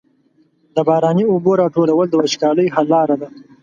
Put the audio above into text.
د باراني اوبو راټولول د وچکالۍ حل لاره ده.